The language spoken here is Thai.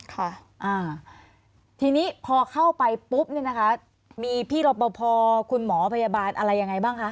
ค่ะอ่าทีนี้พอเข้าไปปุ๊บเนี่ยนะคะมีพี่รอปภคุณหมอพยาบาลอะไรยังไงบ้างคะ